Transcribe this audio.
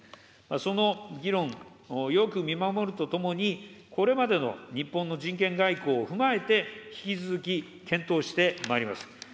その議論、よく見守るとともに、これまでの日本の人権外交を踏まえて、引き続き検討してまいります。